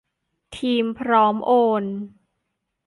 ทีมพร้อมโอน